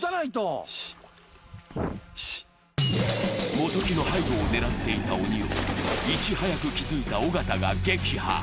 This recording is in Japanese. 元木の背後を狙っていた鬼を、いち早く気づいた尾形が撃破。